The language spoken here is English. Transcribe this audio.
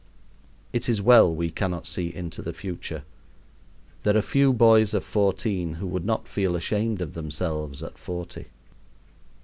It is well we cannot see into the future. There are few boys of fourteen who would not feel ashamed of themselves at forty.